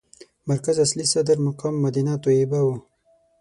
مرکز اصلي صدر مقام مدینه طیبه وه.